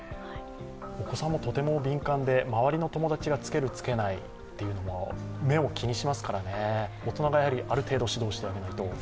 お子さんもとても敏感で周りの友達がつけるつけないという目を気にしますからね、大人がある程度指導してあげないと。